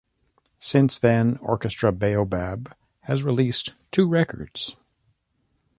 Since then Orchestra Baobab has released two records.